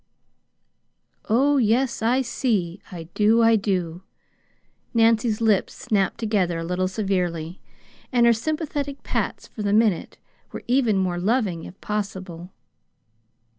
"Oh, yes, I see, I do, I do." Nancy's lips snapped together a little severely, and her sympathetic pats, for the minute, were even more loving, if possible.